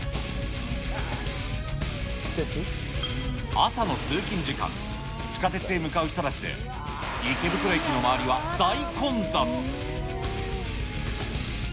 朝の通勤時間、地下鉄へ向かう人たちで、池袋駅の周りは大混雑。